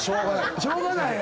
しょうがない。